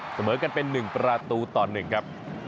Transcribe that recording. เสมอกันเป็น๑ประตูต่อ๑ครับ